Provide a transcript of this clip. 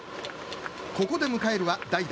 ここで迎えるは代打